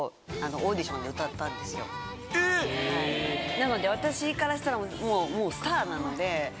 なので私からしたらもうスターなので。